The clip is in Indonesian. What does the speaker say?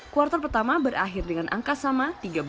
kuartal pertama berakhir dengan angka sama tiga belas